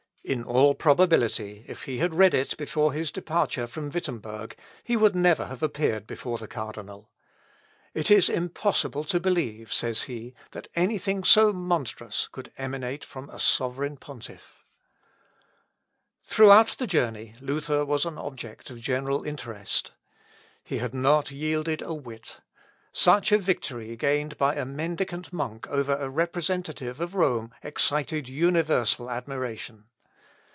In all probability, if he had read it before his departure from Wittemberg, he would never have appeared before the cardinal. "It is impossible to believe," says he, "that any thing so monstrous could emanate from a sovereign pontiff." Luth. Ep. i, p. 166. Throughout the journey, Luther was an object of general interest. He had not yielded a whit. Such a victory gained by a mendicant monk over a representative of Rome, excited universal admiration.